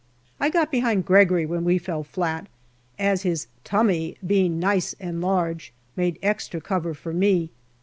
I got behind Gregory when we fell flat, as his " tummy," being nice and large, made extra cover for me.